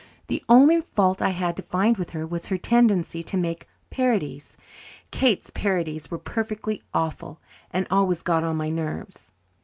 The only fault I had to find with her was her tendency to make parodies. Kate's parodies were perfectly awful and always got on my nerves.